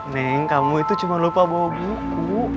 neng kamu itu cuma lupa bawa buku